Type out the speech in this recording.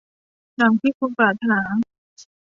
ดังที่คุณปรารถนา